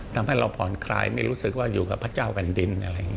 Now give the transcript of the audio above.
ทำให้เราผ่อนคลายรู้สึกว่าอยู่กับพระเจ้ากันดิน